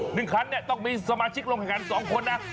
หนึ่งขั้นต้องมีสมาชิกลงแข่งขัน๒คนน่ะ